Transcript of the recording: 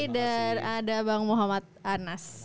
dan ada bang muhammad anas